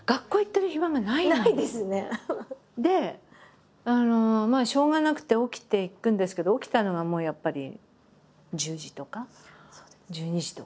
でしょうがなくて起きて行くんですけど起きたのがもうやっぱり１０時とか１２時とか。